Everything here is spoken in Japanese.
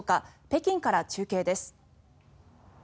北京から中継です。